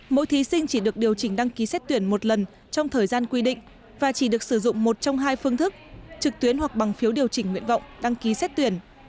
mỗi thí sinh chỉ được điều chỉnh đăng ký xét tuyển một lần trong thời gian quy định và chỉ được sử dụng một trong hai phương thức trực tuyến hoặc bằng phiếu điều chỉnh nguyện vọng đăng ký xét tuyển